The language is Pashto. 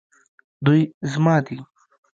دوی زما دي